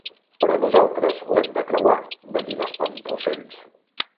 "Però nosaltres l'hem de creuar", va dir l'Espantaocells.